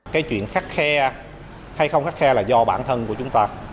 cái chuyện khắc khe hay không khắc khe là do bản thân của chúng ta